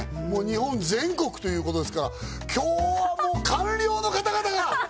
日本全国ということですから今日はもう官僚の方々が！